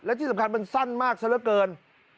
และที่สำคัญมันสั้นมากซะละเกิน